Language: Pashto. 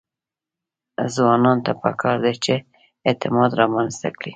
ځوانانو ته پکار ده چې، اعتماد رامنځته کړي.